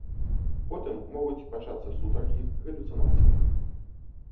Потым могуць пачацца сутаргі, галюцынацыі.